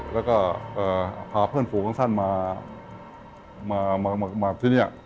แล้วก็พาเพื่อนฝูงของท่านมาที่นี่